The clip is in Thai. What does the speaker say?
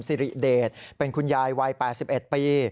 สิริเดชเป็นคุณยายวัย๘๑ปี